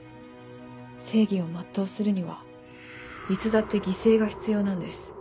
正義を全うするにはいつだって犠牲が必要なんです。